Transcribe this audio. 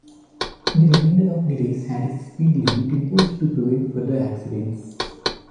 The remainder of the race had a speed limit imposed to prevent further accidents.